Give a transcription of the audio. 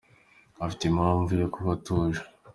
Afte impamvu yo kuba atuje